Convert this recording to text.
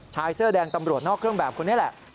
ชายเสื้อแดงตำรวจนอกเครื่องแบบคนนี้แหละ